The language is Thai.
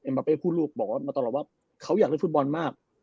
เอ็มบัปเป้พูดลูกมาตลอดว่าเขาอยากเลือกฟุตบอลมาก